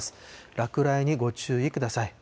落雷にご注意ください。